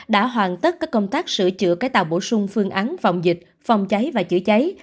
đã hoàn tất các công tác sửa chữa cái tàu bổ sung phương án phòng dịch phòng cháy và chữa cháy